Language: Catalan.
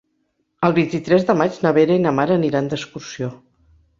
El vint-i-tres de maig na Vera i na Mar aniran d'excursió.